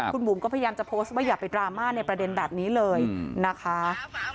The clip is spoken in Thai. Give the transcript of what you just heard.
คุณบุ๋มก็พยายามจะโพสต์ว่าอย่าไปดราม่าในประเด็นแบบนี้เลยนะคะ